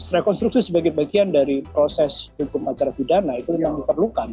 rekonstruksi sebagai bagian dari proses hukum acara pidana itu memang diperlukan